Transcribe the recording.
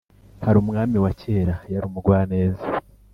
hari umwami wa kera; yari umugwaneza.